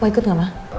mau ikut gak ma